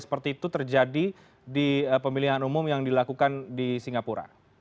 seperti itu terjadi di pemilihan umum yang dilakukan di singapura